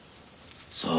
さあ。